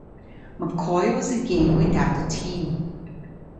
McCoy was again without a team.